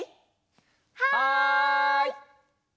はい！